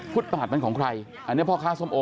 ฟุตบาทมันของใครอันนี้พ่อค้าสมอง